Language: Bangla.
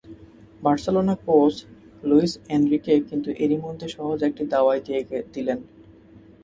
বার্সেলোনা কোচ লুইস এনরিকে কিন্তু এরই মধ্যে সহজ একটা দাওয়াই দিয়ে দিলেন।